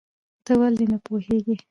ته ولې نه پوهېږې؟